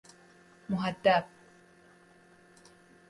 محدب